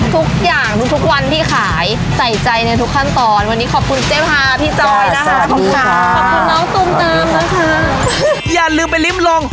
ทุกอย่างทุกวันที่ขายใจใจในทุกขั้นตอน